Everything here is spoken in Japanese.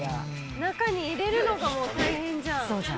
中に入れるのがもう大変じゃん。